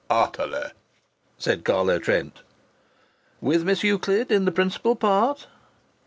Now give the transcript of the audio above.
"Utterly," said Carlo Trent. "With Miss Euclid in the principal part?"